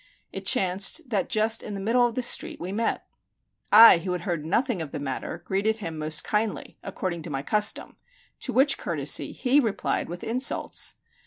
It chanced that just in the middle of the street we met. I, who had heard nothing of the matter, greeted him most kindly, according to my custom, to which courtesy he replied with insults.